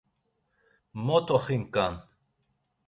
Mot oxinǩan!